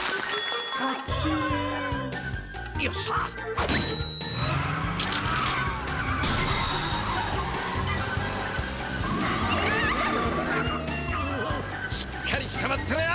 しっかりつかまってろよ！